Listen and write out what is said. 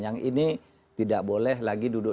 yang ini tidak boleh lagi duduk